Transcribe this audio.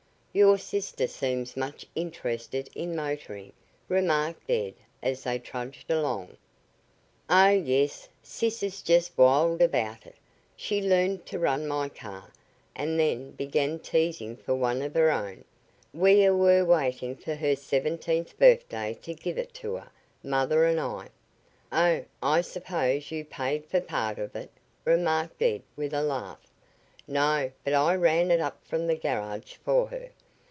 "Your sister seems much interested in motoring," remarked Ed as they trudged along. "Oh, yes, sis is just wild about it. She learned to run my car, and then began teasing for one of her own. We a were waiting for her seventeenth birthday to give it to her mother and I " "Oh, I suppose you paid for part of it," remarked Ed with a laugh. "No; but I ran it up from the garage for her.